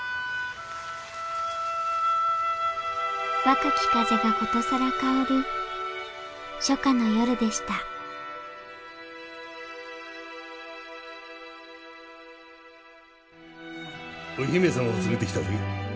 若き風がことさら薫る初夏の夜でしたお姫様を連れてきたぜ。